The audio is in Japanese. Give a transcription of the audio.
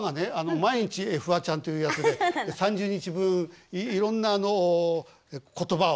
「まいにち、フワちゃん」っていうやつで３０日分いろんな言葉を。